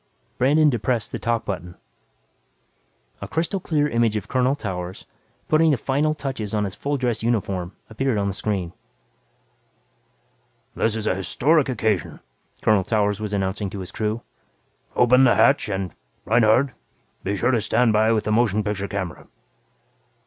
Brandon depressed the "talk" button. A crystal clear image of Colonel Towers, putting the finishing touches on his full dress uniform, appeared on the screen. "This is an historic occasion," Colonel Towers was announcing to his crew. "Open the hatch and, Reinhardt, be sure to stand by with the motion picture camera."